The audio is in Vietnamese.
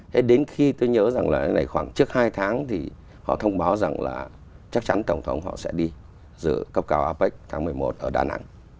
thế đến khi tôi nhớ rằng là này khoảng trước hai tháng thì họ thông báo rằng là chắc chắn tổng thống họ sẽ đi dự cấp cao apec tháng một mươi một ở đà nẵng